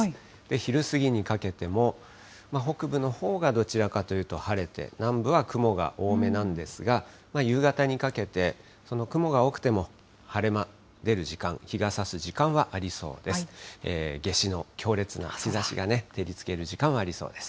昼過ぎにかけても、北部のほうがどちらかというと晴れて南部は雲が多めなんですが、夕方にかけて、その雲が多くても晴れ間、出る時間、日がさす時間はありそうです。